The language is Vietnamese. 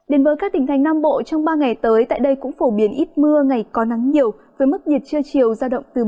đến với các tỉnh thành nam bộ trong ba ngày tới tại đây cũng phổ biến ít mưa ngày có nắng nhiều với mức nhiệt chưa chiều giao động từ ba mươi hai đến ba mươi năm độ